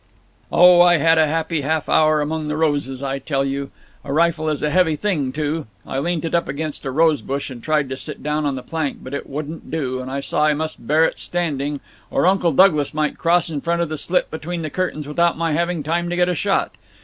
"Oh, I had a happy half hour among the roses, I tell you! A rifle is a heavy thing too. I leant it up against a rose bush and tried to sit down on the plank, but it wouldn't do, and I saw I must bear it standing, or Uncle Douglas might cross in front of the slit between the curtains without my having time to get a shot.